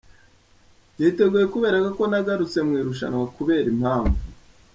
Niteguye kubereka ko nagarutse mu irushanwa kubera impamvu.